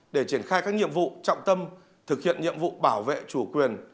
để triển khai các nhiệm vụ trọng tâm thực hiện nhiệm vụ bảo vệ chủ quyền